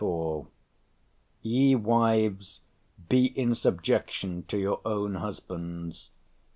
34); "ye wives, be in subjection to your own husbands...